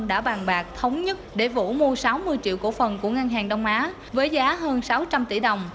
đã bàn bạc thống nhất để vũ mua sáu mươi triệu cổ phần của ngân hàng đông á với giá hơn sáu trăm linh tỷ đồng